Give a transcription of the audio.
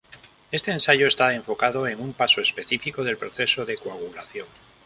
Este ensayo está enfocado en un paso específico del proceso de coagulación.